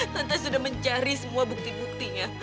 lantas sudah mencari semua bukti buktinya